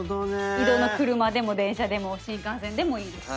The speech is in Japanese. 移動の車でも電車でも新幹線でもいいですし。